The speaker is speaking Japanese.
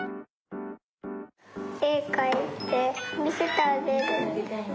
えかいてみせてあげる。